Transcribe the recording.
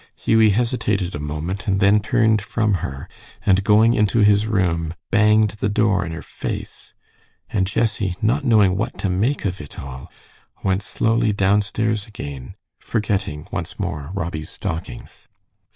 Hughie hesitated a moment, and then turned from her, and going into his room, banged the door in her face, and Jessie, not knowing what to make of it all, went slowly downstairs again, forgetting once more Robbie's stockings.